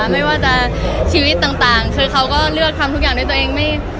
ไม่ว่าจะชีวิตต่างคือเขาก็เลือกทำทุกอย่างด้วยตัวเอง